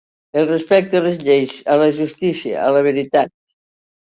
El respecte a les lleis, a la justícia, a la veritat.